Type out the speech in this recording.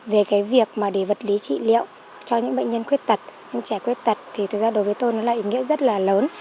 về cái việc mà để vật lý trị liệu cho những bệnh nhân khuyết tật những trẻ khuyết tật thì thực ra đối với tôi nó là ý nghĩa rất là lớn